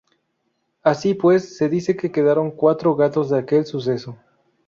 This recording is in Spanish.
Así pues, se dice, que quedaron cuatro gatos de aquel suceso.